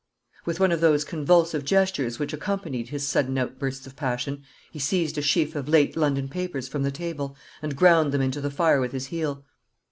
With one of those convulsive gestures which accompanied his sudden outbursts of passion he seized a sheaf of late London papers from the table, and ground them into the fire with his heel.